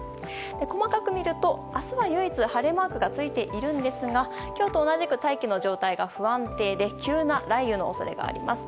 細かく見ると、明日は唯一晴れマークがついているんですが今日と同じく大気の状態が不安定で急な雷雨の恐れがあります。